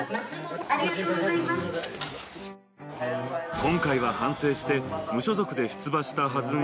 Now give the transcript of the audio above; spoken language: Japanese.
今回は反省して無所属で出馬したはずが